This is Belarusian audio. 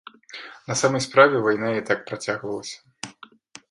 На самай справе, вайна і так працягвалася.